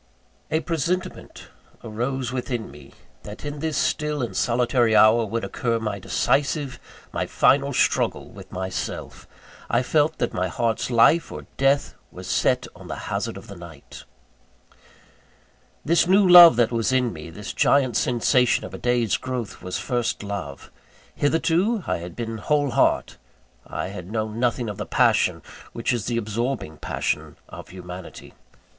A presentiment arose within me, that in this still and solitary hour would occur my decisive, my final struggle with myself. I felt that my heart's life or death was set on the hazard of the night. This new love that was in me; this giant sensation of a day's growth, was first love. Hitherto, I had been heart whole. I had known nothing of the passion, which is the absorbing passion of humanity.